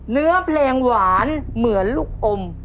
เนื้อเพลงหวานเหมือนลูกอม